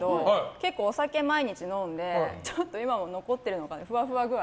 結構、お酒を毎日飲んでちょっと今も残ってるのかふわふわ具合。